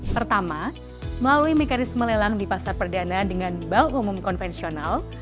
pertama melalui mekanisme lelang di pasar perdana dengan bank umum konvensional